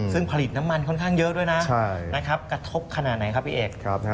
ซึ่งผลิตน้ำมันค่อนข้างเยอะด้วยนะกระทบขนาดไหนครับพี่เอก